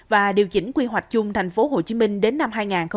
và điều chỉnh quy hoạch chung thành phố hồ chí minh đến năm hai nghìn bốn mươi